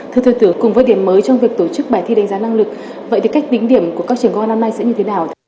thưa thưa tướng cùng với điểm mới trong việc tổ chức bài thi đánh giá năng lực vậy thì cách tính điểm của các trường công an năm nay sẽ như thế nào